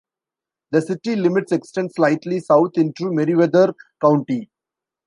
The city limits extend slightly south into Meriwether County.